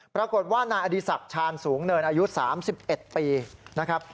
ปรากฏว่านายอดีศักดิ์ชาญสูงเนินอายุ๓๑ปีนะครับ